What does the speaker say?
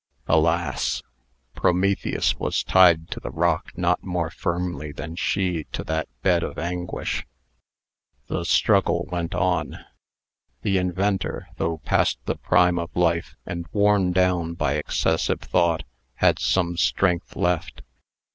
Alas! Prometheus was tied to the rock not more firmly than she to that bed of anguish! The struggle went on. The inventor, though past the prime of life, and worn down by excessive thought, had some strength left.